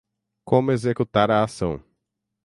Como Executar a Ação